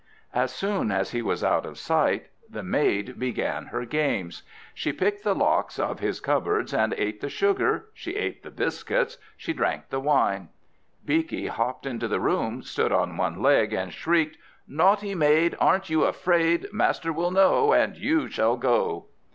As soon as he was out of sight, the maid began her games. She picked the locks of his cupboards and ate the sugar, she ate the biscuits, she drank the wine. Beaky hopped into the room, stood on one leg, and shrieked, "Naughty maid! Aren't you afraid? Master shall know, And you shall go!"